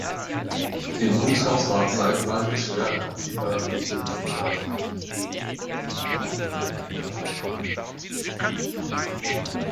Im Gutshaus waren zeitweilig schwer erziehbare Mädchen untergebracht.